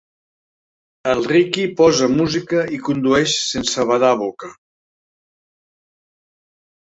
El Riqui posa música i condueix sense badar boca.